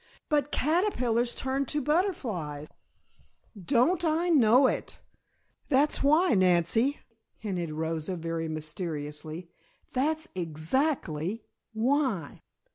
"But caterpillars turn to butterflies " "Don't I know it? That's why, Nancy," hinted Rosa very mysteriously. "That's exactly why!"